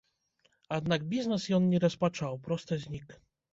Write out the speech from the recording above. Аднак бізнес ён не распачаў, проста знік.